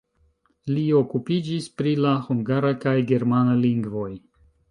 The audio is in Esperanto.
Li okupiĝis pri la hungara kaj germana lingvoj.